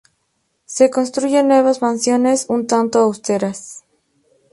Se construyen nuevas mansiones, un tanto austeras.